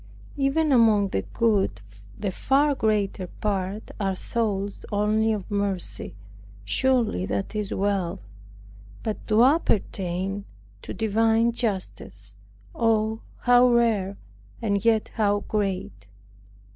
Even among the good the far greater part are souls only of mercy; surely that is well; but to appertain to divine justice, oh, how rare and yet how great!